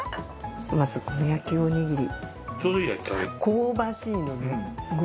まずこの焼きおにぎり。